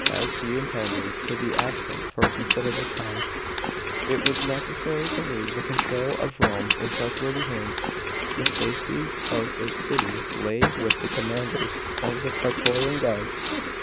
As he intended to be absent for a considerable time, it was necessary to leave the control of Rome in trustworthy hands. The safety of the city lay with the commanders of the praetorian guards.